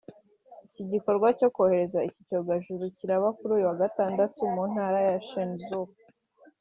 Iki gikorwa cyo kohereza iki cyogajuru kiraba kuri uyu wa Gatandatu mu Ntara ya Shenzhou